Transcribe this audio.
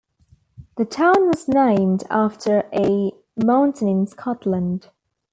The town was named after a mountain in Scotland.